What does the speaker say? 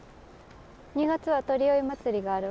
２月は鳥追い祭りがあるわ。